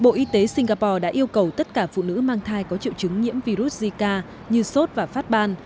bộ y tế singapore đã yêu cầu tất cả phụ nữ mang thai có triệu chứng nhiễm virus zika như sốt và phát ban